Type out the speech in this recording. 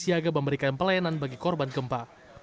kri dr suharto juga memberikan pelayanan bagi korban gempa